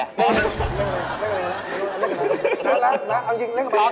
เอ้าให้ลุกไรครับ